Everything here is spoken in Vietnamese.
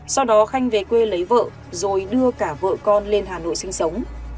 sau đó khanh về quê lấy vợ rồi đưa cả vợ con lên hà nội sinh sống